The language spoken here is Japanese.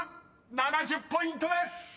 ７０ポイントです！］